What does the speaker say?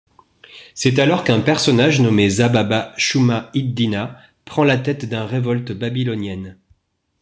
C'est alors qu'un personnage nommé Zababa-shuma-iddina prend la tête d'un révolte babylonienne.